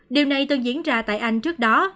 điều này tương diễn ra tại anh trước đó